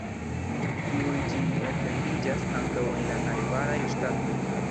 Tiuj ĉi etendiĝas ankaŭ en la najbaraj ŝtatoj.